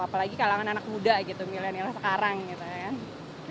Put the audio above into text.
apalagi kalangan anak muda gitu milenial sekarang gitu kan